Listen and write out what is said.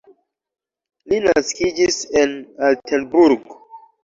Li naskiĝis en Altenburg.